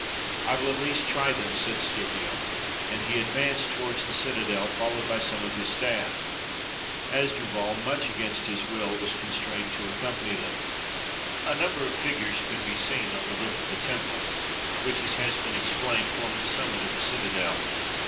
"I will at least try them," said Scipio, and he ad vanced towards the citadel, followed by some of his 295 NORTHERN AFRICA staff. Hasdrubal, much against his will, was constrained to accompany them. A number of figures could be seen on the roof of the temple, which, as has been explained, formed the sum mit of the citadel.